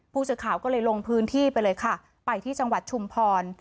ผู้สื่อข่าวก็เลยลงพื้นที่ไปเลยค่ะไปที่จังหวัดชุมพร